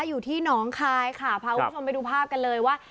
อยู่ที่หนองคายค่ะพาคุณผู้ชมไปดูภาพกันเลยว่า